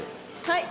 はい？